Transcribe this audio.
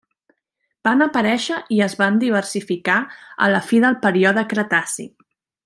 Van aparèixer i es van diversificar a la fi del període Cretaci.